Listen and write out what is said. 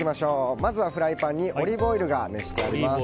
まずはフライパンにオリーブオイルが熱してあります。